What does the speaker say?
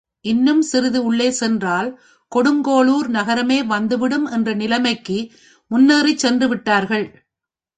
இன்னும் சிறிது உள்ளே சென்றால் கொடுங்கோளூர் நகரமே வந்து விடும் என்ற நிலைமைக்கு முன்னேறிச் சென்று விட்டார்கள்.